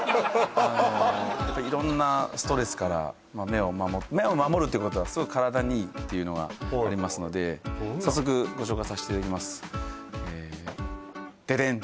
けどもあの目を守るってことはすごく体にいいっていうのはありますので早速ご紹介させていただきますえっデデン！